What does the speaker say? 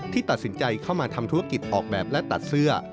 ตัดสินใจเข้ามาทำธุรกิจออกแบบและตัดเสื้อ